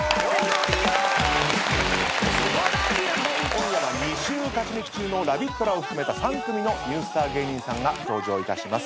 今夜は２週勝ち抜き中のラビットラを含めた３組のニュースター芸人さんが登場いたします。